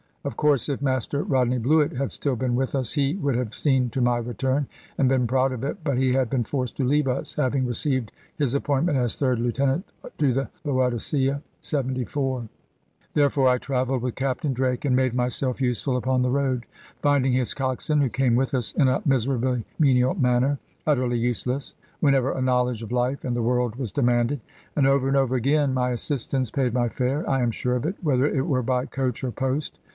Of course, if Master Rodney Bluett had still been with us, he would have seen to my return, and been proud of it; but he had been forced to leave us, having received his appointment as 3d lieutenant to the Boadicea, 74. Therefore I travelled with Captain Drake, and made myself useful upon the road, finding his coxswain (who came with us in a miserably menial manner) utterly useless, whenever a knowledge of life and the world was demanded. And over and over again, my assistance paid my fare, I am sure of it, whether it were by coach or post.